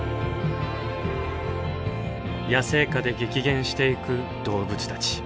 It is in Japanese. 野生下で激減していく動物たち。